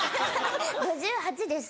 ５８です。